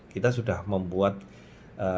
kita sudah membuat pilihan pilihan tersebut